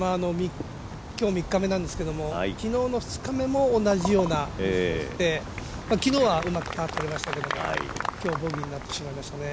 今日３日目なんですけど昨日の２日目も同じような感じで昨日はうまくパーとりましたけど今日はボギーになってしまいましたね。